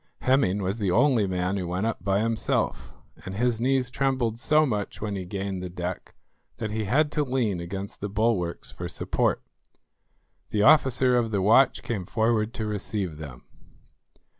Hemming was the only man who went up by himself, and his knees trembled so much when he gained the deck that he had to lean against the bulwarks for support. The officer of the watch came forward to receive them.